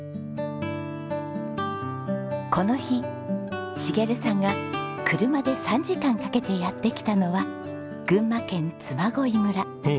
この日茂さんが車で３時間かけてやって来たのは群馬県嬬恋村。